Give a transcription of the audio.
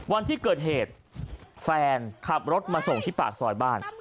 วันที่เกิดเหตุแฟนขับรถมาส่งที่ปากซอยบ้าน